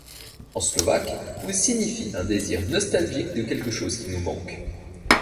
En slovaque, ou signifient un désir nostalgique de quelque chose qui nous manque.